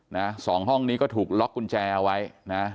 นะสองห้องนี้ก็ถูกล็อกกุญแจเอาไว้นะ